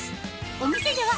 お店では